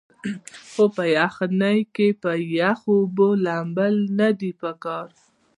خو پۀ يخنۍ کښې پۀ يخو اوبو لامبل نۀ دي پکار